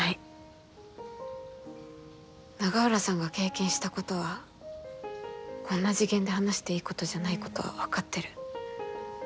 永浦さんが経験したことはこんな次元で話していいことじゃないことは分かってる。